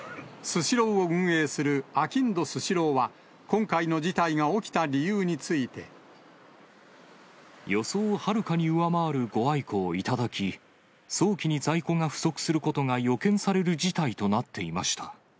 スシローを運営するあきんどスシローは、予想をはるかに上回るご愛顧をいただき、早期に在庫が不足することが予見される事態となっていました。